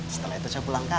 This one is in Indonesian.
setelah itu saya pulangkan